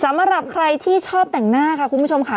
สำหรับใครที่ชอบแต่งหน้าค่ะคุณผู้ชมค่ะ